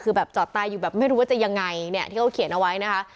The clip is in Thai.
คือแบบจอดตายอยู่แบบไม่รู้ว่าจะยังไงเนี่ยที่เขาเขียนเอาไว้นะคะ